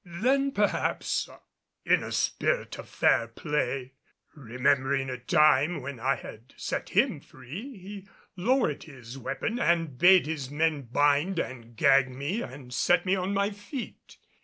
Then, perhaps in a spirit of fair play, remembering a time when I had set him free, he lowered his weapon and bade his men bind and gag me and set me on my feet.